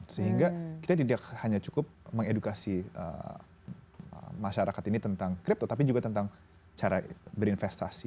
sehingga kita tidak hanya cukup mengedukasi masyarakat ini tentang crypto tapi juga tentang cara berinvestasi